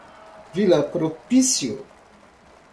Vila Propício